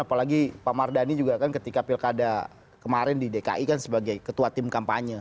apalagi pak mardhani juga kan ketika pilkada kemarin di dki kan sebagai ketua tim kampanye